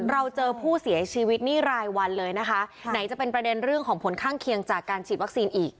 เราเจอผู้เสียชีวิตนี่รายวันเลยนะคะไหนจะเป็นประเด็นเรื่องของผลข้างเคียงจากการฉีดวัคซีนอีก